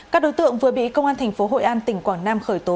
các đối tượng vừa bị công an thành phố hội an tỉnh quảng nam khởi tố